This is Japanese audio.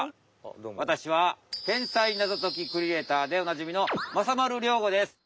わたしは天才謎ときクリエイターでおなじみのまさ丸亮吾です。